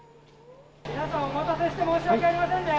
皆さん、お待たせして申し訳ありませんね。